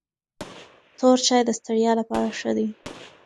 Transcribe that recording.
تور چای د ستړیا لپاره ښه دی.